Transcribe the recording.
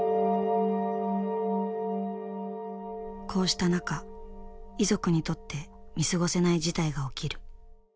こうした中遺族にとって見過ごせない事態が起きる。